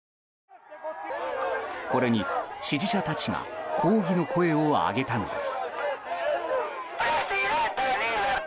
これに支持者たちが抗議の声を上げたのです。